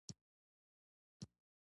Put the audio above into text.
هغه له شعر او ادبیاتو سره ډېره مینه لرله